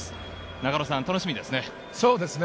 中野さん、楽しみですね。